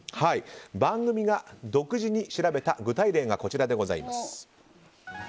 番組が独自に調べた具体例がこちらです。